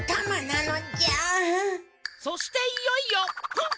そしていよいよフッ！